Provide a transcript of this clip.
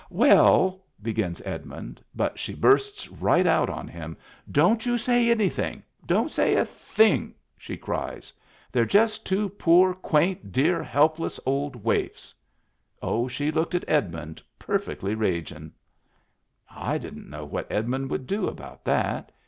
" Well," begins Edmund — but she bursts right out on him. " Don't you say anything ! Don't say a thing!" she cries. " They're just two poor, quaint, dear, helpless old waifs." Oh, she looked at Edmund perfectly ragin'. I didn't know what Edmund would do about that.